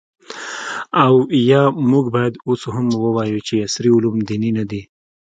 او آیا موږ باید اوس هم ووایو چې عصري علوم دیني نه دي؟